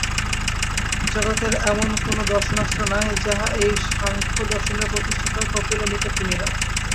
জগতের এমন কোন দর্শনশাস্ত্র নাই, যাহা এই সাংখ্যদর্শনের প্রতিষ্ঠাতা কপিলের নিকট ঋণী নয়।